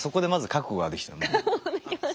覚悟ができました。